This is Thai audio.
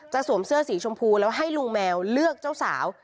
สวมเสื้อสีชมพูแล้วให้ลุงแมวเลือกเจ้าสาว